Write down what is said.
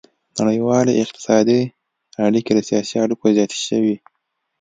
نړیوالې اقتصادي اړیکې له سیاسي اړیکو زیاتې شوې